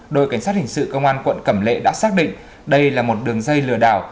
đội cảnh sát hình sự công an quận cẩm lệ đã xác định đây là một đường dây lừa đảo